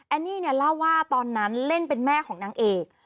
อันนี้เนี่ยเล่าว่าตอนนั้นเล่นเป็นแม่ของนางเอก